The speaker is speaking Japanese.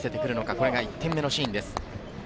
これが１点目のシーンです。